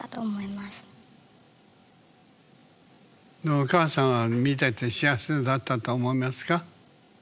お母さんは見てて幸せだったと思いますか？